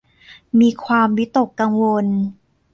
มีความวิตกกังวล